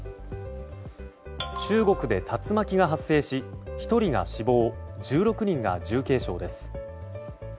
中国で竜巻が発生し１人が死亡１６人が重軽傷です。